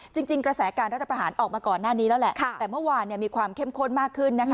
จริงกระแสการรัฐประหารออกมาก่อนหน้านี้แล้วแหละแต่เมื่อวานมีความเข้มข้นมากขึ้นนะคะ